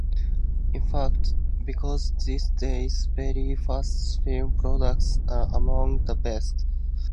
In fact, because these days very fast film products are among the best.